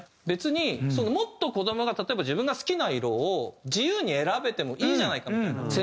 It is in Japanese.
別にもっと子どもが例えば自分が好きな色を自由に選べてもいいじゃないかみたいな。